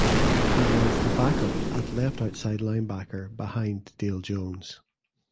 He was the backup at left outside linebacker behind Dale Jones.